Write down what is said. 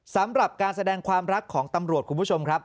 สำหรับการแสดงความรักของตำรวจคุณผู้ชมครับ